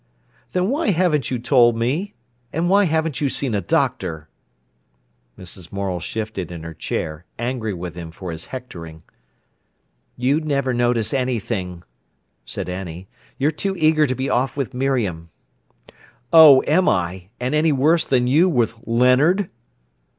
"Then why haven't you told me?—and why haven't you seen a doctor?" Mrs. Morel shifted in her chair, angry with him for his hectoring. "You'd never notice anything," said Annie. "You're too eager to be off with Miriam." "Oh, am I—and any worse than you with Leonard?"